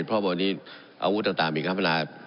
เพราะว่าวันนี้อาวุธต่างมีกำลัง